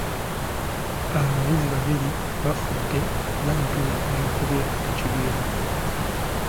Abayizi babiri baafudde laddu bwe yakubye ekibiina.